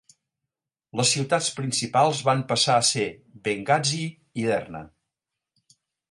Les ciutats principals van passar a ser Benghazi i Derna.